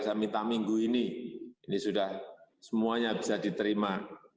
saya minta minggu ini ini sudah semuanya bisa diterima